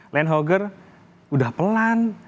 land hogger udah pelan